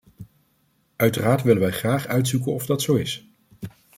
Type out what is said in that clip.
Uiteraard willen wij graag uitzoeken of dat zo is.